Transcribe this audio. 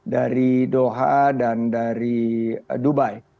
dari doha dan dari dubai